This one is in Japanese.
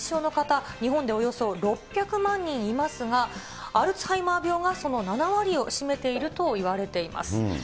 ＮＩＰＰＯＮでおよそ、６００万人いますが、アルツハイマー病がその７割を占めているといわれています。